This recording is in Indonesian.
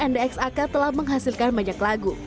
ndx ak telah menghasilkan banyak lagu